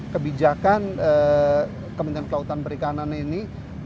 kebijakan kementerian kelautan perikanan ini